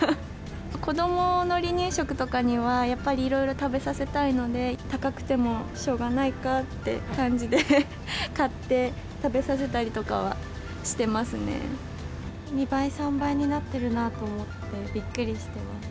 子どもの離乳食とかにはやっぱりいろいろ食べさせたいので、高くてもしょうがないかって感じで、買って、２倍、３倍になってるなぁと思って、びっくりしてます。